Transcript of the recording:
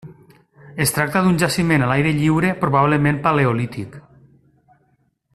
Es tracta d'un jaciment a l'aire lliure probablement paleolític.